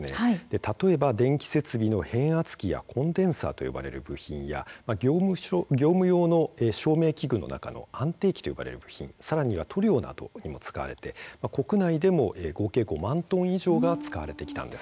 例えば電気設備の変圧器やコンデンサーと呼ばれる部品や業務用の照明器具の中に入っている安定器と呼ばれる部品さらには塗料などに使われて国内でも合計５万トン以上が使われてきたんです。